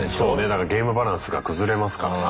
だからゲームバランスが崩れますからな。